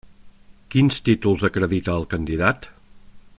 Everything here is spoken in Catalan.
Quins títols acredita el candidat?